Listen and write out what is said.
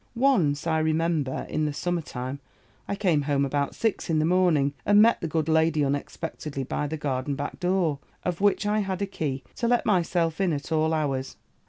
"Once, I remember, in the summer time, I came home about six in the morning, and met the good lady unexpectedly by the garden back door, of which I had a key to let myself in at all hours.